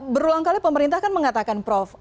berulang kali pemerintah kan mengatakan prof